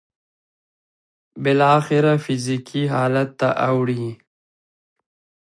بالاخره فزيکي حالت ته اوړي.